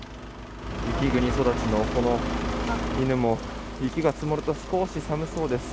雪国育ちのこの犬も雪が積もると少し寒そうです。